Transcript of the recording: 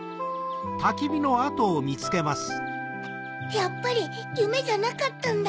やっぱりゆめじゃなかったんだ！